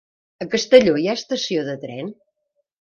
A Castelló hi ha estació de tren?